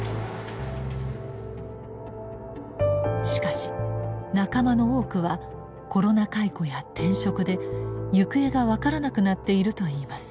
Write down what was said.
しかし仲間の多くはコロナ解雇や転職で行方が分からなくなっているといいます。